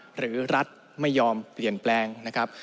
หรือรัฐไม่ยอมเปลี่ยนแปลงนะครับ